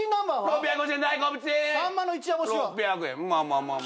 まあまあ。